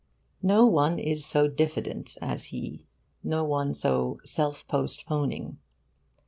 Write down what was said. No one is so diffident as he, no one so self postponing.